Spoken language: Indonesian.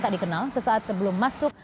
tak dikenal sesaat sebelum masuk